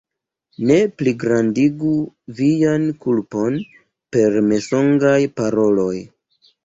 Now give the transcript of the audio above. Ne pligrandigu vian kulpon per mensogaj paroloj!